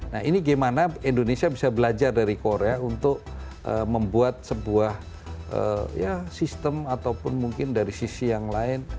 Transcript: nah ini gimana indonesia bisa belajar dari korea untuk membuat sebuah sistem ataupun mungkin dari sisi yang lain